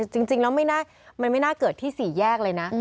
จริงแล้วมันไม่น่าเกิดที่๔แยกเลยนะ